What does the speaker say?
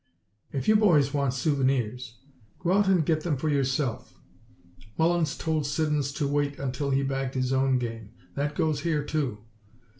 "If you boys want souvenirs, go out and get them for yourself. Mullins told Siddons to wait until he bagged his own game. That goes here, too.